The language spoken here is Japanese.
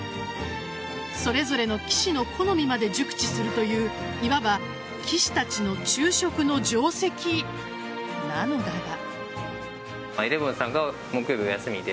それぞれの棋士の好みまで熟知するといういわば、棋士たちの昼食の定跡なのだが。